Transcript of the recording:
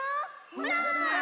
ほら！